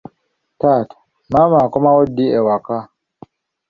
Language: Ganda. Taata, maama akomawo ddi ewaka?